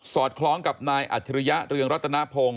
อดคล้องกับนายอัจฉริยะเรืองรัตนพงศ์